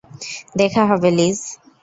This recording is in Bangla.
দেখা হবে, লিজ।